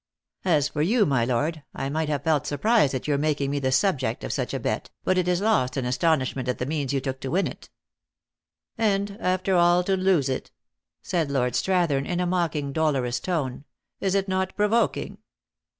" As for you, my lord, I might have felt surprise at your making me the subject of such a bet, but it is lost in astonishment at the means you took to win it !" "And, after all to lose it," said Lord Strathern, in a mocking, dolorous tone. "Is it not provoking?"